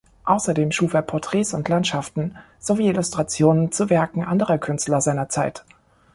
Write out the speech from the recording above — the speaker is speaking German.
Außerdem schuf er Porträts und Landschaften sowie Illustrationen zu Werken anderer Künstler seiner Zeit.